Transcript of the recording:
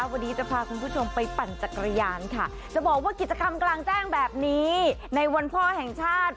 วันนี้จะพาคุณผู้ชมไปปั่นจักรยานค่ะจะบอกว่ากิจกรรมกลางแจ้งแบบนี้ในวันพ่อแห่งชาติ